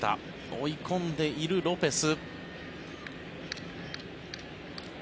追い込んでいるロペス。